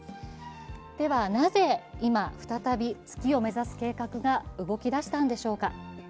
では、なぜ今、再び月を目指す計画が動き出したんでしょうか。